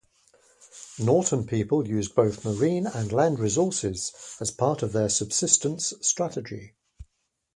Norton people used both marine and land resources as part of their subsistence strategy.